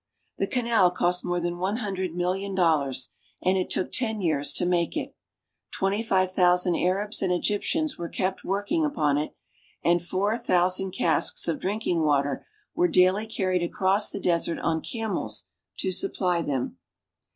The canal cost more than one hundred million dollars, and it took ten years to make it. Twenty five thousand Arabs and Egyptians were kept working upon it, and four thousand casks of drinking water were daily carried across the desert on camels to supply them.